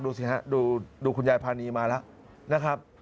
ดูสิฮะดูคุณยายพานีมาแล้วนะครับ